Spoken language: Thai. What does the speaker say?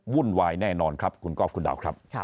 วุ่นวายแน่นอนครับคุณก๊อฟคุณดาวครับ